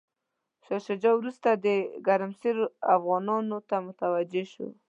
شاه شجاع وروسته د ګرمسیر افغانانو ته متوجه شو.